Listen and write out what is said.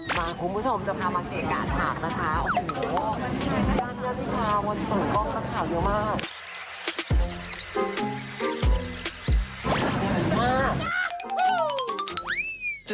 มาคุณผู้ชมจะพามาเกะกะกันมากนะคะโอ้โหจันยานวิธีค่ะวันนี้เปิดกล้องนะคะเยอะมาก